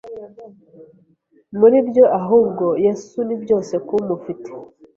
muri byo ahubwo Yesu ni byose kumufite